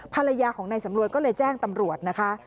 ภรรยาของนายสำรวยก็เลยแจ้งตำรวจนะคะ